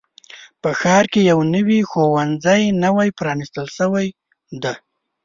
په ښار کې یو نوي ښوونځی نوی پرانیستل شوی دی.